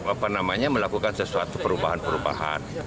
apa namanya melakukan sesuatu perubahan perubahan